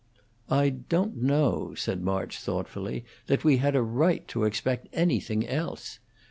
"I don't know," said March, thoughtfully, "that we had a right to expect anything else.